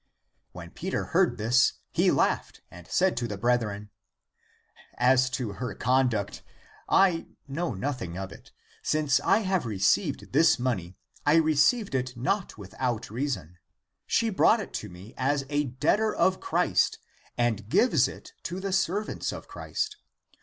^^ When Peter heard this, he laughed and said to the brethren, " As to her conduct, ^^ I know nothing of it; since I have received this money I received it not without rea son,^^ she brought it to me as a debtor ^'^ of Christ and gives it ^^ to the servants of Christ.